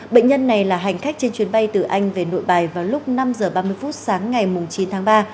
bệnh nhân này là hành khách trên chuyến bay từ anh về nội bài vào lúc năm h ba mươi phút sáng ngày chín tháng ba